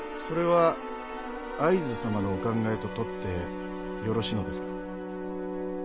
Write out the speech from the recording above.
それは会津様のお考えと取ってよろしいのですか？